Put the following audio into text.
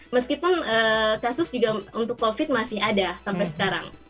meskipun kasus juga untuk covid masih ada sampai sekarang